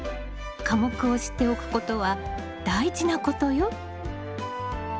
科目を知っておくことは大事なことよ。